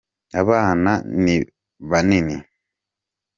abana nibanini